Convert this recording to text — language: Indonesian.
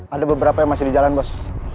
ada beberapa yang masih di jalan bos